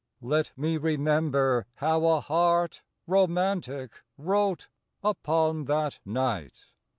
Let me remember how a heart, Romantic, wrote upon that night!